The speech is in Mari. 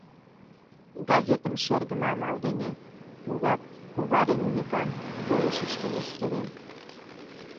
Газетым шергыме амал дене тугак кова ден уныкан койышыштым эскерем.